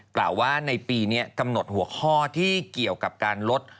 กล่าวว่าในปีนี้กำหนดหัวข้อที่เกี่ยวกับการลด